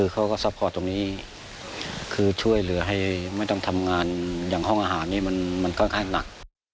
ซัพพอร์ตตรงนี้คือช่วยเหลือให้ไม่ต้องทำงานอย่างห้องอาหารนี้มันค่อนข้างหนัก